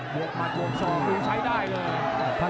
หมัดหวังสองคือใช้ได้เลยนะครับ